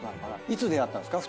いつ出会ったんですか？